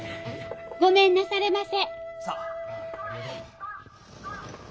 ごめんなされませ。